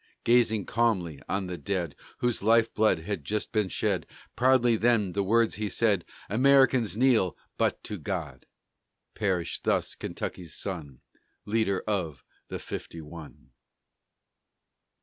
Gazing calmly on the dead, Whose life blood had just been shed, Proudly then the words he said, "Americans kneel but to God!" Perished thus Kentucky's son Leader of the Fifty one.